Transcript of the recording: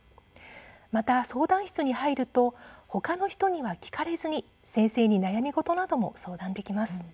また、相談室に入ると他の人には聞かれずに先生に悩み事なども相談できます。